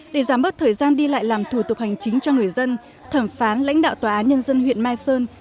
để giảm bớt thời gian đi lại làm thủ tục hành chính cho người dân thẩm phán lãnh đạo tòa án nhân dân huyện mai sơn